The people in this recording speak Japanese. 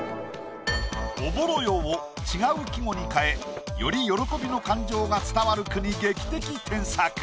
「朧夜」を違う季語に変えより喜びの感情が伝わる句に劇的添削。